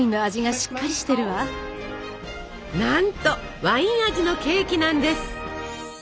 なんとワイン味のケーキなんです。